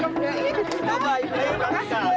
coba ibu ya terima kasih